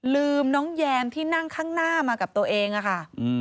ลืมน้องแยมที่นั่งข้างหน้ามากับตัวเองอะค่ะ